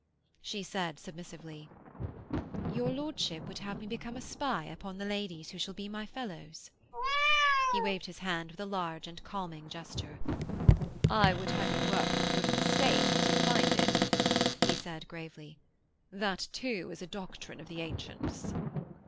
She said submissively: 'Your lordship would have me become a spy upon the ladies who shall be my fellows?' He waved his hand with a large and calming gesture. 'I would have you work for the good of the State as you find it,' he said gravely. 'That, too, is a doctrine of the Ancients.'